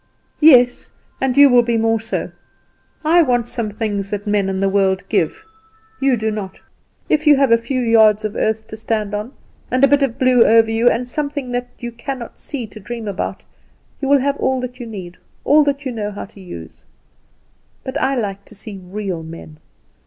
"Yes; and you will be more so. I want things that men and the world give, you do not. If you have a few yards of earth to stand on, and a bit of blue over you, and something that you cannot see to dream about, you have all that you need, all that you know how to use. But I like to see real men.